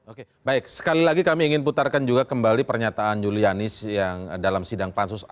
oke sekali lagi kami ingin putarkan kembali pernyataan julianis